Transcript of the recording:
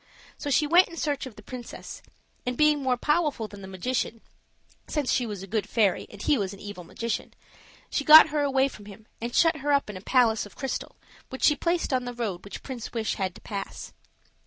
So she went in search of the princess, and being more powerful than the magician, since she was a good fairy and he was an evil magician, she got her away from him and shut her up in a palace of crystal, which she placed on the road which Prince Wish had to pass.